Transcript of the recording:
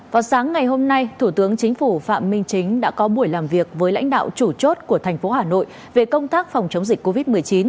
vào sáng ngày hôm nay thủ tướng chính phủ phạm minh chính đã có buổi làm việc với lãnh đạo chủ chốt của thành phố hà nội về công tác phòng chống dịch covid một mươi chín